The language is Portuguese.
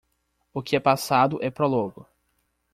O que é passado é prólogo